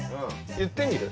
言ってみる？